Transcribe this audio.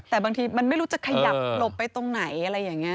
แต่บางทีมันไม่รู้จะขยับหลบไปตรงไหนอะไรอย่างนี้